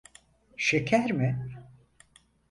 Şeker mi?